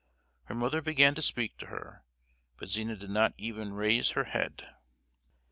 Her mother began to speak to her, but Zina did not even raise her head!